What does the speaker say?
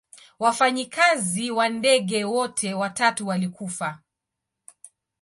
Wafanyikazi wa ndege wote watatu walikufa.